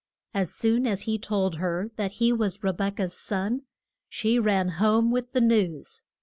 And as soon as he told her that he was Re bek ah's son, she ran home with the news.